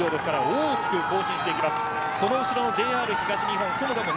大きく更新してきています。